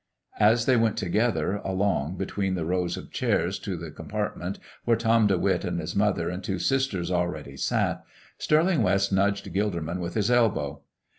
As they went together along between the rows of chairs to the compartment where Tom De Witt and his mother and two sisters already sat, Stirling West nudged Gilderman with his elbow.